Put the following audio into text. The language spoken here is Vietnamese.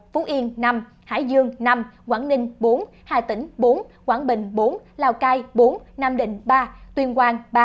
phú yên năm hải dương năm quảng ninh bốn hà tĩnh bốn quảng bình bốn lào cai bốn nam định ba tuyên quang ba